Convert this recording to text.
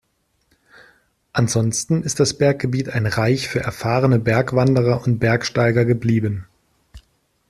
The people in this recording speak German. Ansonsten ist das Berggebiet ein Reich für erfahrene Bergwanderer und Bergsteiger geblieben.